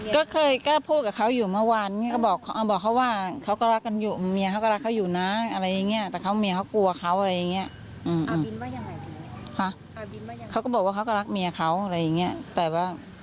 ก็เคยกล้าพูดกับเขาอยู่เมื่อวานบอกเขาว่าเขาก็รักกันอยู่